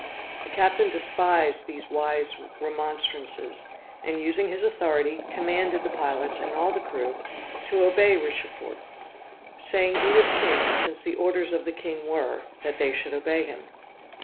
The captain despised these wise remonstrances; and, using his authority, commanded the pilots, and all the crew, to obey Richefort; saying he was king, since the orders of the king were, that they should obey him.